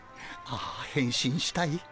ああへん身したい。